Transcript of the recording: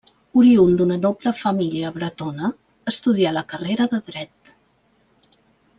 Oriünd d'una noble família bretona, estudià la carrera de dret.